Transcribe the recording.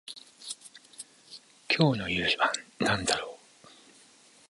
今日の夕飯なんだろう